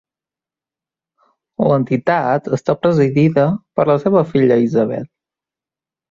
L'entitat està presidida per la seva filla Isabel.